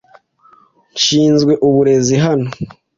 Nshinzwe uburezi hano.